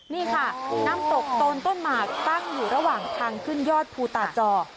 นี่ค่ะน้ำตกโตนต้นหมากตั้งอยู่ระหว่างทางขึ้นยอดภูตาจอ